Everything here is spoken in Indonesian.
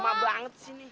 pada lama banget sini